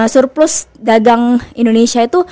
surplus dagang indonesia itu